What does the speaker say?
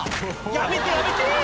「やめてやめて」